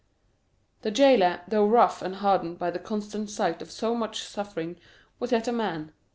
The jailer, though rough and hardened by the constant sight of so much suffering, was yet a man.